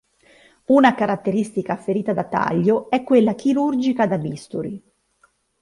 Una caratteristica ferita da taglio è quella chirurgica da bisturi.